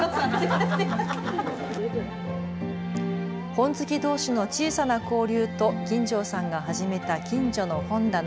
本好きどうしの小さな交流と金城さんが始めたきんじょの本棚。